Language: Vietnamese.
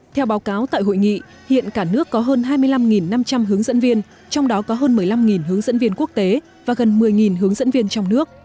theo báo cáo tại hội nghị hiện cả nước có hơn hai mươi năm năm trăm linh hướng dẫn viên trong đó có hơn một mươi năm hướng dẫn viên quốc tế và gần một mươi hướng dẫn viên trong nước